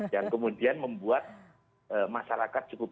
yang kemudian membuat masyarakat cukup